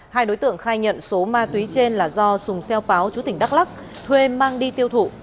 hai đối tượng khai nhận số ma túy trên là do sùng xeo pháo chú tỉnh đắk lắc thuê mang đi tiêu thụ